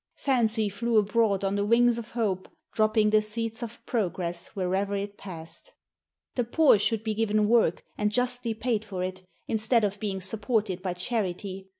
Fancy flew abroad on the wings of hope, dropping the seeds of progress wherever it passed. The poor should be given work, and justly paid for it, instead of being supported by charity.